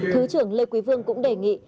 thứ trưởng lê quý vương cũng đề nghị